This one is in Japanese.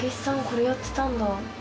これやってたんだ。